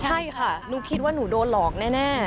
ใช่ค่ะหนูคิดว่าหนูโดนหลอกแน่